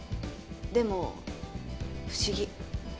でも不思議。